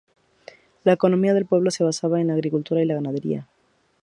La economía del pueblo se basaba en la agricultura y en la ganadería.